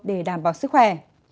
để đảm bảo sức khỏe